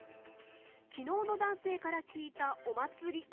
昨日の男性から聞いたお祭り。